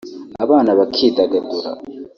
abana bakidagadura